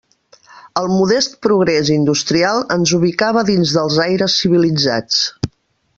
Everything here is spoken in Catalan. El modest progrés industrial ens ubicava dins dels aires civilitzats.